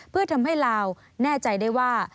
เพื่อทำให้ลาวแน่ใจได้ว่า